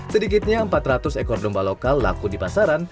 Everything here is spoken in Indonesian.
sedikitnya empat ratus ekor domba lokal laku di pasaran